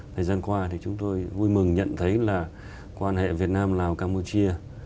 thời gian qua thì chúng tôi vui mừng nhận thấy là quan hệ việt nam lào campuchia